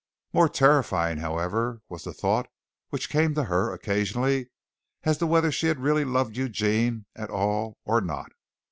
More terrifying, however, was the thought which came to her occasionally as to whether she had really loved Eugene at all or not.